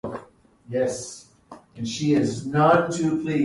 The nearest secondary school is in Deanshanger.